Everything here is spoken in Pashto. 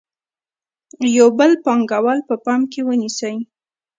یو بل پانګوال په پام کې ونیسئ